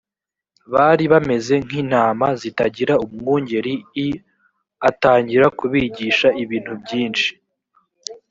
bari bameze nk intama zitagira umwungeri l atangira kubigisha ibintu byinshi